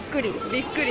びっくり。